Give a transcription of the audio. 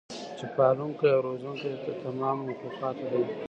چې پالونکی او روزونکی د تمامو مخلوقاتو دی